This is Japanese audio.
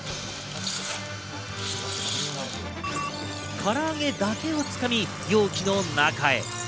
から揚げだけを掴み、容器の中へ。